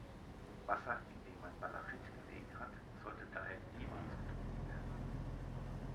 Wasser, in dem ein Malachit gelegen hat, sollte daher niemals getrunken werden.